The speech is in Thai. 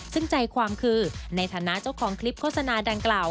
ซึ่งใจความคือในฐานะเจ้าของคลิปโฆษณาดังกล่าว